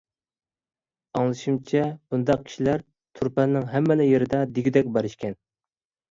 ئاڭلىشىمچە، بۇنداق كىشىلەر تۇرپاننىڭ ھەممىلا يېرىدە دېگۈدەك بار ئىكەن.